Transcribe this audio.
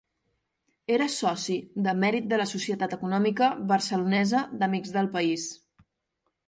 Era soci de mèrit de la Societat Econòmica Barcelonesa d'Amics del País.